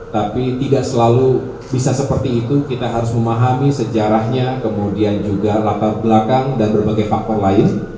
tapi tidak selalu bisa seperti itu kita harus memahami sejarahnya kemudian juga latar belakang dan berbagai faktor lain